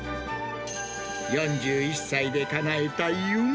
４１歳でかなえた夢。